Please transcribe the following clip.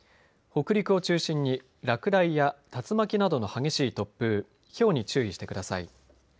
北陸を中心に落雷や竜巻などの激しい突風、ひょうに注意してください。